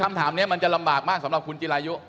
คำถามนี้มันจะลำบากมากสำหรับคุณจิรายุ